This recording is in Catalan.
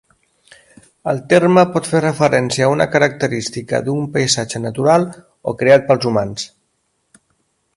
El terme pot fer referència a una característica d'un paisatge natural o creat pels humans.